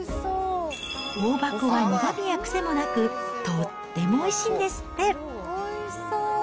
オオバコは苦みや癖もなく、とってもおいしいんですって。